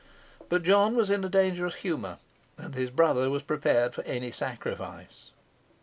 But John was in a dangerous humour, and his brother was prepared for any sacrifice.